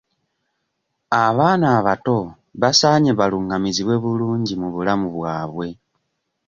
Abaana abato basaanye balungamizibwe bulungi mu bulamu bwabwe.